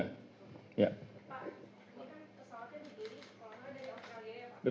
pak ini kan pesawatnya di beli